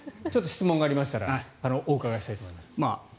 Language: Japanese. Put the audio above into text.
質問がありましたらお伺いしたいと思います。